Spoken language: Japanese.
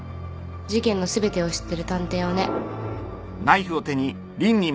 事件の全てを知ってる探偵をね。